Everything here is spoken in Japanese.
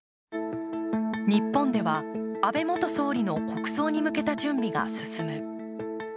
日本では、安倍元総理の国葬に向けた準備が進む。